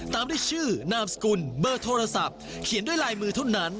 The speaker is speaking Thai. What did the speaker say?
ตามด้วยชื่อนามสกุลเบอร์โทรศัพท์เขียนด้วยลายมือเท่านั้น